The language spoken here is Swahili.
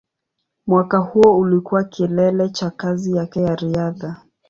Mwaka huo ulikuwa kilele cha kazi yake ya riadha.